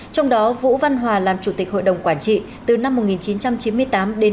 trong đó vũ văn hòa làm chủ tịch hội đồng quản trị từ năm một nghìn chín trăm chín mươi tám đến